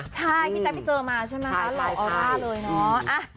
ใช่ที่แป๊บไปเจอมาใช่มั้ยฮะหล่ออ้าเลยเนาะ